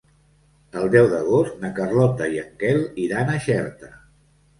El deu d'agost na Carlota i en Quel iran a Xerta.